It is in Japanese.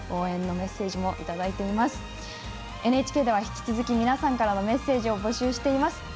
ＮＨＫでは引き続き皆さんからのメッセージを募集しています。